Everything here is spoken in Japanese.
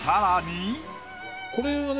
これがね